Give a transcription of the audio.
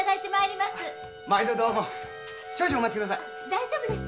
大丈夫です。